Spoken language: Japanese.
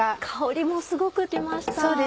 香りもすごく立って来ました。